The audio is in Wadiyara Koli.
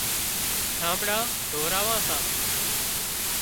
ٺانٻڙان ڌوراوان سان